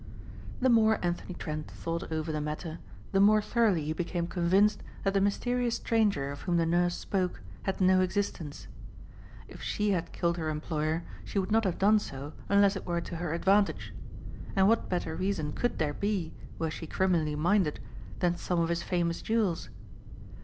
The more Anthony Trent thought over the matter the more thoroughly he became convinced that the mysterious stranger of whom the nurse spoke had no existence. If she had killed her employer she would not have done so unless it were to her advantage. And what better reason could there be, were she criminally minded, than some of his famous jewels?